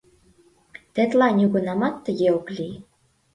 — Тетла нигунамат тыге ок лий.